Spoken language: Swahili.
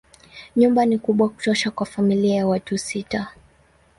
Nyumba ni kubwa kutosha kwa familia ya watu sita.